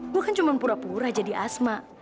gue kan cuma pura pura jadi asma